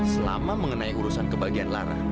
selama mengenai urusan kebagian lara